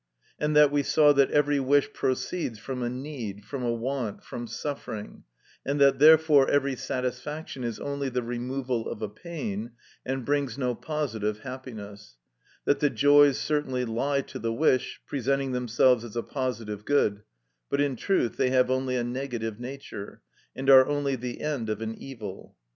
And that we saw that every wish proceeds from a need, from a want, from suffering, and that therefore every satisfaction is only the removal of a pain, and brings no positive happiness; that the joys certainly lie to the wish, presenting themselves as a positive good, but in truth they have only a negative nature, and are only the end of an evil.